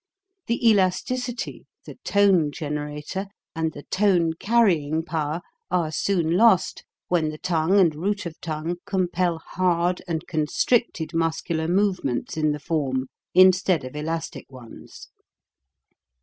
The elasticity, the tone generator, and the tone carrying power are soon lost, when the tongue and root of tongue compel hard and constricted muscular movements in the form instead of elastic ones.